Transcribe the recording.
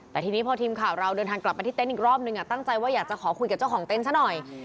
แต่ทีนี้พอทีมข่าวเราเดินทางกลับไปที่เต็นต์อีกรอบนึงตั้งใจว่าอยากจะขอคุยกับเจ้าของเต็นต์ซะหน่อย